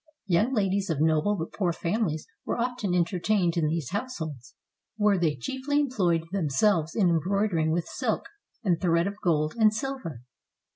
Young ladies of noble but poor families were often entertained in these households, where they chiefly employed themselves in embroidering with silk, and thread of gold and silver.